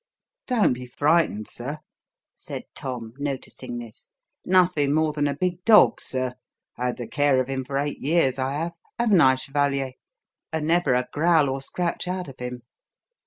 "Don't be frightened, sir," said Tom, noticing this. "Nothing more'n a big dog, sir. Had the care of him for eight years, I have haven't I, chevalier? and never a growl or scratch out of him.